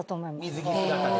水着姿で。